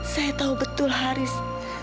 saya tahu betul haris